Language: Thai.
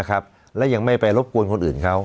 และยังไม่ไปรบกวนคนอื่นเขา